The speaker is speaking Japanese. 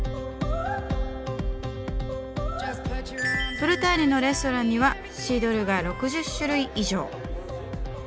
ブルターニュのレストランにはシードルが６０種類以上。